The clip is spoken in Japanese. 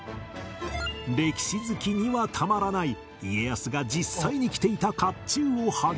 歴史好きにはたまらない家康が実際に着ていた甲冑を始め